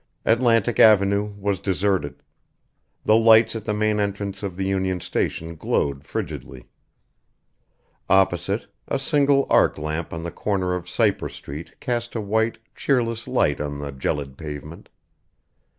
Atlantic Avenue was deserted. The lights at the main entrance of the Union Station glowed frigidly. Opposite, a single arc lamp on the corner of Cypress Street cast a white, cheerless light on the gelid pavement.